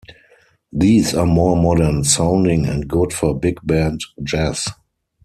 These are more modern sounding and good for big band jazz.